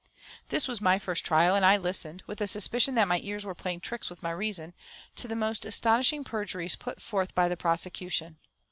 This was my first trial, and I listened, with a suspicion that my ears were playing tricks with my reason, to the most astonishing perjuries put forth by the prosecution.